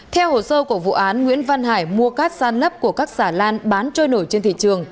theo hồ sơ của vụ án nguyễn văn hải mua cát san lấp của các xà lan bán trôi nổi trên thị trường